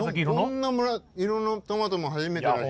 こんな色のトマトも初めてだし。